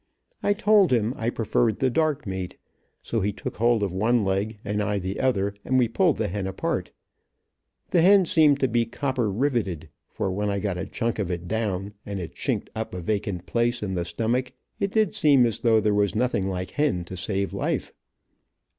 I told, him I preferred the dark meat, so he took hold of one leg and I the other, and we pulled the hen apart. The hen seemed to be copper rivetted, for when I got a chunk of it down, and it chinked up a vacant place in the stomach, it did seem as though there was nothing like hen to save life.